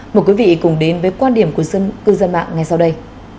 mời quý vị cùng đến với quan điểm của cư dân mạng ngay sau đây